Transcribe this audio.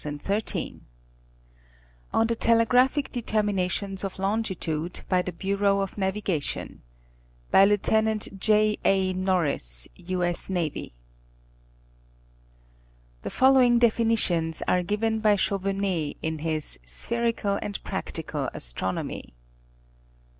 Nowe ON THE TELEGRAPHIC DETERMINATIONS OF LON GITUDE BY THE BUREAU OF NAVIGATION. By Lizut. J. A. Norris, U.S. N. Tue following definitions are given by Chauvenet in his Spher ical and Practical Astronomy.